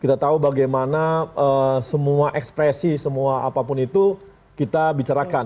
kita tahu bagaimana semua ekspresi semua apapun itu kita bicarakan